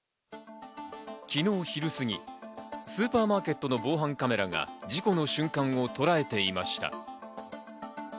昨日昼過ぎ、スーパーマーケットの防犯カメラが事故の瞬間をとらえていました。